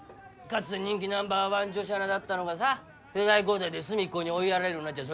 かつて人気ナンバーワン女子アナだったのがさ世代交代で隅っこに追いやられるようになっちゃ